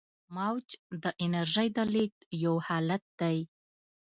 موج د انرژۍ د لیږد یو حالت دی.